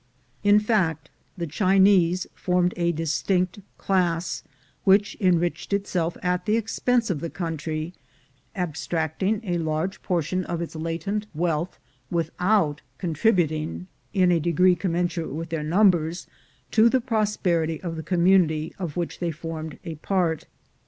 In fact, the Chinese formed a distinct class, which enriched itself at the expense of the country, abstract ing a large portion of its latent wealth without contrib uting, in a degree commensurate with their numbers, to the prosperity of the community of which they formed a part.